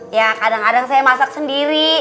ya kadang kadang saya masak sendiri